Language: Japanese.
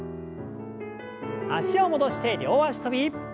脚を戻して両脚跳び。